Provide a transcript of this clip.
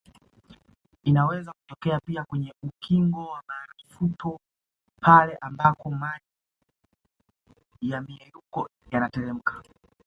Inaweza kutokea pia kwenye ukingo wa barafuto pale ambako maji ya myeyuko yanateremka